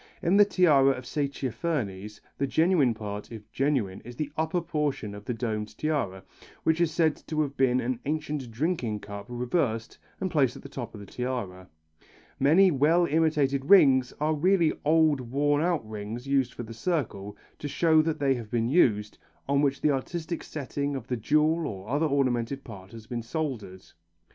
In the tiara of Saitaphernes the genuine part, if genuine, is the upper portion of the domed tiara, which is said to have been an ancient drinking cup reversed and placed at the top of the tiara. Many well imitated rings are really old worn out rings used for the circle, to show that they have been used, on which the artistic setting of the jewel or other ornamental part has been soldered.